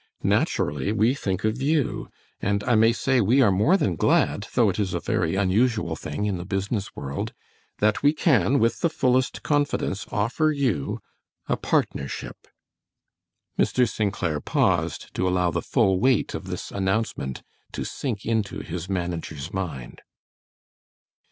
Naturally we think of you, and I may say we are more than glad, though it is a very unusual thing in the business world, that we can, with the fullest confidence, offer you a partnership." Mr. St. Clair paused to allow the full weight of this announcement to sink into his manager's mind.